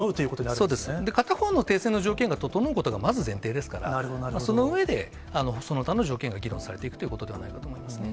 じゃあ、ウクライナ側にとっての停戦の条件が、最低限、そうです、片方の停戦の条件が整うことがまず前提ですから、その上で、その他の条件が議論されていくということではないかと思いますね。